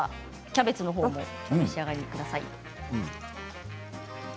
キャベツのほうもお召し上がりください。